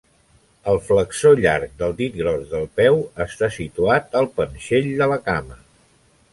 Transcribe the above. El flexor llarg del dit gros del peu està situat al panxell de la cama.